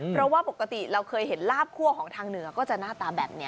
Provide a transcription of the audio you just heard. เพราะว่าปกติเราเคยเห็นลาบคั่วของทางเหนือก็จะหน้าตาแบบนี้